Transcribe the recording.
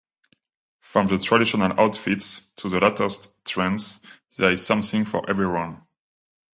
From traditional outfits to the latest trends, there is something for everyone.